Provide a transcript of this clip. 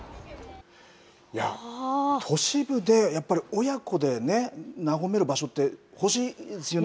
都市部でやっぱり親子でねなごめる場所ってほしいですよね。